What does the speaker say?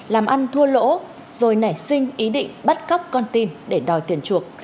làm ăn thua lỗ rồi nảy sinh ý định bắt cóc con tin để đòi tiền chuộc